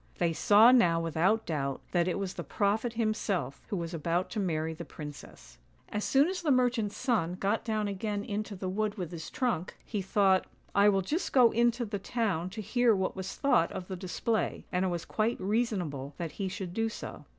They saw now without doubt that it was the prophet himself, who was about to marry the princess. As soon as the merchant's son got down again into the wood with his trunk, he thought, " I will just go into the town to hear what was thought of the display," and it was quite reason able that he should do so.